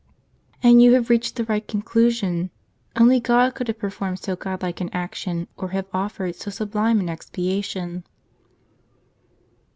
" And you had reached the right conclusion. Only God * Phil. ii. 7. CTtt could have performed so godlike an action, or have offered so sublime an expiation."